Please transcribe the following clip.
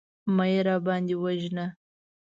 مه يې راباندې وژنه.